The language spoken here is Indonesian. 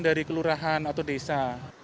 dari kelurahan atau desa